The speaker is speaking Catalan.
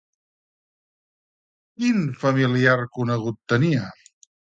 Quin familiar conegut tenia?